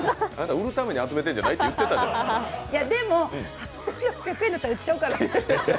売るために集めてるんじゃないと言ってたじゃないでも、８６００円だったら売っちゃおうかな。